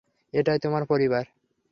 এটাই তোমার পরিবার।